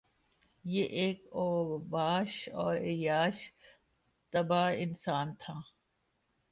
یہ ایک اوباش اور عیاش طبع انسان تھا